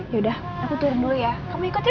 yaudah aku turun dulu ya kamu ikut ya